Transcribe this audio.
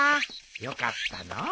よかったのう。